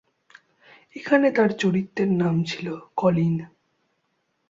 এখানে তার চরিত্রের নাম ছিলো কলিন।